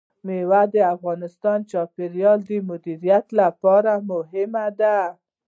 مېوې د افغانستان د چاپیریال د مدیریت لپاره مهم دي.